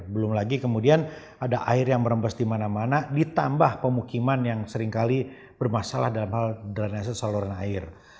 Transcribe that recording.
belum lagi kemudian ada air yang merembes di mana mana ditambah pemukiman yang seringkali bermasalah dalam hal drainase saluran air